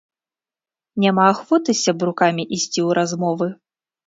Няма ахвоты з сябрукамі ісці ў размовы.